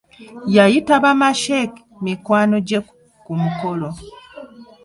Yayita ba Ma-Sheikh mikwano gye ku mukolo.